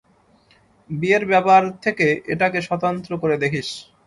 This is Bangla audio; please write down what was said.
বিয়ের ব্যাপার থেকে এটাকে স্বতন্ত্র করে দেখিস।